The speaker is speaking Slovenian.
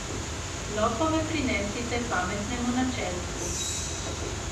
Lopove prinesite pametnemu načelniku.